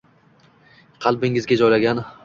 Qalbimizga joylagan.